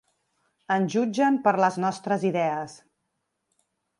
Ens jutgen per les nostres idees.